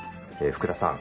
福田さん